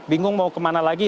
bingung mau kemana lagi